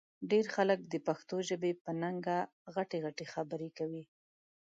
ډېر خلک د پښتو ژبې په ننګه غټې غټې خبرې کوي